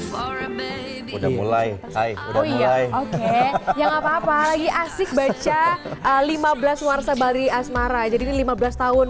hai udah mulai hai udah mulai oke ya nggak papa lagi asyik baca lima belas warga bali asmara jadi lima belas tahun